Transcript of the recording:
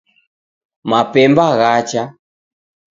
Mapemba ghacha.